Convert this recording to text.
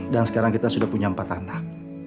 sekarang kita sudah punya empat anak